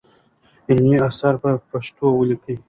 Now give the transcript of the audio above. علمي اثار په پښتو ولیکئ.